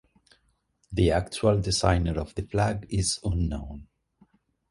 The actual designer of the flag is unknown.